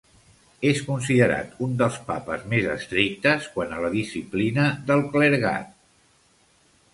És considerat un dels papes més estrictes quant a la disciplina del clergat.